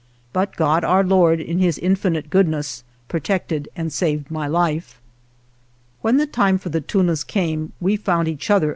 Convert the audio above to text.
But God, Our Lord, in His infinite goodness, protected and saved my life. When the time for the tunas came we found each other again on the same spot.